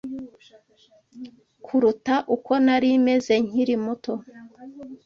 kuruta uko nari meze nkiri muto